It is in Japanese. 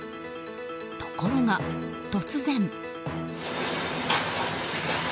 ところが、突然。